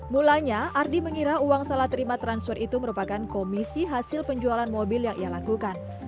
mulanya ardi mengira uang salah terima transfer itu merupakan komisi hasil penjualan mobil yang ia lakukan